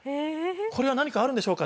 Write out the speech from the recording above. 「これは何かあるんでしょうか？」